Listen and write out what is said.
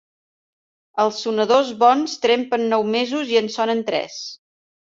Els sonadors bons trempen nou mesos i en sonen tres.